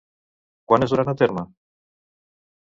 Quan es duran a terme?